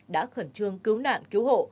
đã khẩn trương cứu nạn cứu hộ